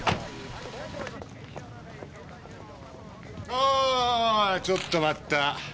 おーちょっと待った！